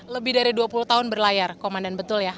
lebih dari dua puluh tahun berlayar komandan betul ya